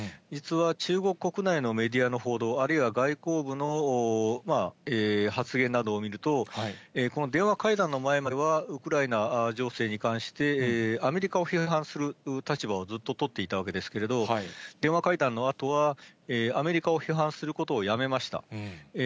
実は中国国内のメディアの報道、あるいは外交部の発言などを見ると、この電話会談の前までは、ウクライナ情勢に関して、アメリカを批判する立場をずっと取っていたわけですけれども、電話会談のあとは、アメリカを批判することをやめました。